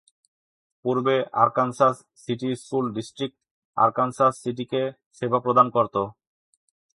পূর্বে Arkansas city school district Arkansas সিটিকে সেবা প্রদান করত।